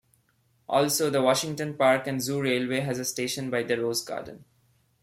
Also, the Washington Park and Zoo Railway has a station by the rose garden.